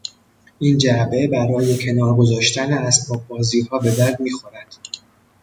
این جعبه برای کنار گذاشتن اسباب بازیها به درد میخورد.